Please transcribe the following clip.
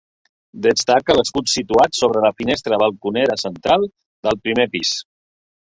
Destaca l'escut situat sobre la finestra balconera central del primer pis.